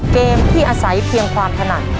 เกมที่อาศัยเพียงความถนัด